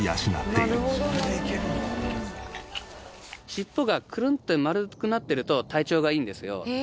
尻尾がクルンって丸くなってると体調がいいんですよ。